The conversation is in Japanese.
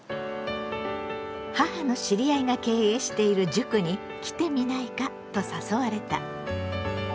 母の知り合いが経営している塾に来てみないかと誘われた。